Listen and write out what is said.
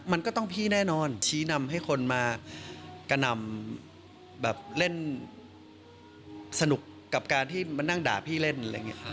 มันก็ต้องพี่แน่นอนชี้นำให้คนมากระหน่ำแบบเล่นสนุกกับการที่มานั่งด่าพี่เล่นอะไรอย่างนี้ค่ะ